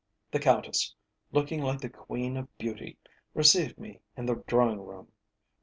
The Countess, looking like the Queen of Beauty, received me in the drawing room.